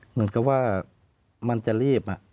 เหมือนกับว่ามันจะรีบ